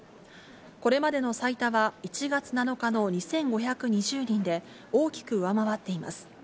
これまでの最多は１月７日の２５２０人で、大きく上回っています。